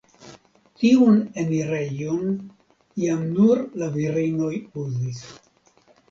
Tiun enirejon iam nur la virinoj uzis.